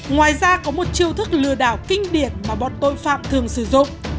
ngoài ra có một chiêu thức lừa đảo kinh điển mà bọn tội phạm thường sử dụng